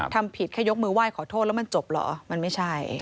ทำผิดแค่ยกมือไหว้ขอโทษแล้วมันจบเหรอมันไม่ใช่